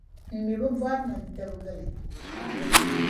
m mi bi bɔri ni n tibigi li.